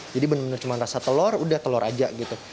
jadi benar benar cuma rasa telur udah telur aja gitu